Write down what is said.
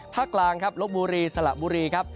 กลางครับลบบุรีสละบุรีครับ